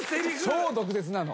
超毒舌なの。